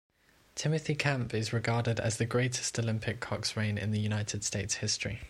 Timothy Camp is regarded as the greatest Olympic coxswain in the United States history.